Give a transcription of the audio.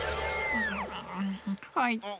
はい。